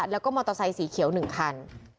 แล้วก็มอเตอร์ไซสีเขียว๑คัน